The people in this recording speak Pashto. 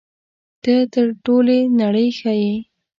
ته تر ټولې نړۍ ښه یې.